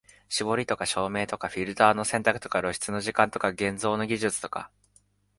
絞りとか照明とかフィルターの選択とか露出の時間とか現像の技術とか、